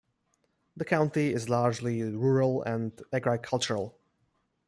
The county is largely rural and agricultural.